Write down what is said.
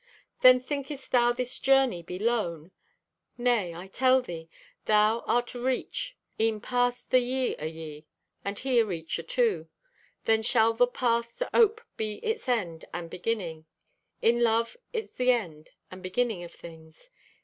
"Then thinkest thou this journey be lone? Nay, I tell thee, thou art areach e'en past the ye o' ye, and he areach ato. Then shall the path's ope be its end and beginning. In love is the end and beginning of things.